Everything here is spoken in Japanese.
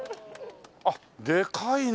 あっでかいね。